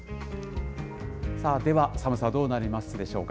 さあ、では寒さどうなりますでしょうか。